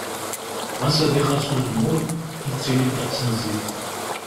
Ɣas ad ixas uzemmur, yettili ddeqs n zzit.